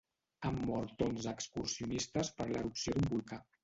Han mort onze excursionistes per l'erupció d'un volcà.